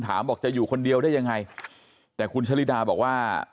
บอกจะอยู่คนเดียวได้ยังไงแต่คุณชะลิดาบอกว่า